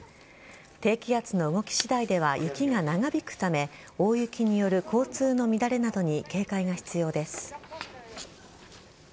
低気圧の動き次第では雪が長引くため大雪による交通の乱れなどに警戒が必要です。